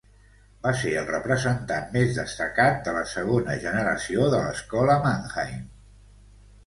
Va ser el representant més destacat de la segona generació de l'Escola Mannheim.